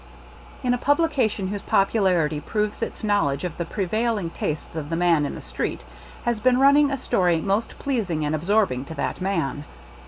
In a publication whose popularity proves its knowledge of the prevailing tastes of the man in the street, has been running a story most pleasing and absorbing to that man.